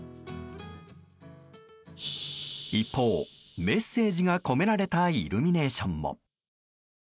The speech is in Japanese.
一方、メッセージが込められたイルミネーションも。